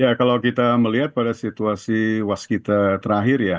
ya kalau kita melihat pada situasi waskita terakhir ya